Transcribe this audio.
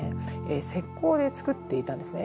石こうで作っていたんですね。